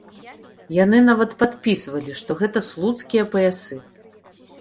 Яны нават падпісвалі, што гэта слуцкія паясы.